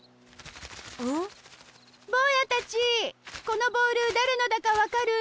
このボールだれのだかわかる？